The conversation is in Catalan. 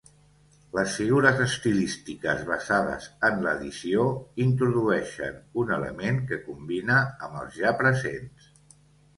Les figures estilístiques basades en l'addició introdueixen un element que combina amb els ja presents.